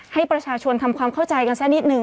ให้ประชาชนทำความเข้าใจกันซะนิดหนึ่ง